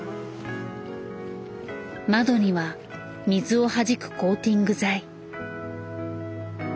窓には水をはじくコーティング剤。